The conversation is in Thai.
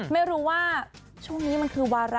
ไม่รู้ว่าช่วงนี้มันคือวาระ